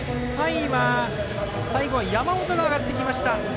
３位は山本が上がってきました。